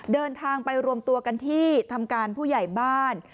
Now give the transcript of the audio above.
เดินทางไปรวมตัวกันที่ทำการผู้ใหญ่บ้าน